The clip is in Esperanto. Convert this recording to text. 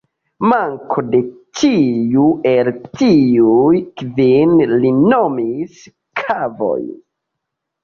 Manko de ĉiu el tiuj kvin li nomis "kavoj".